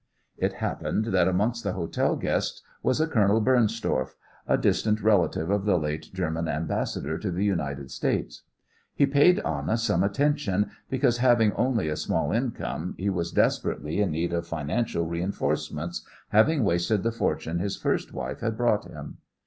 It happened that amongst the hotel guests was a Colonel Bernstorff, a distant relative of the late German Ambassador to the United States. He paid Anna some attention, because, having only a small income, he was desperately in need of financial reinforcements, having wasted the fortune his first wife had brought him.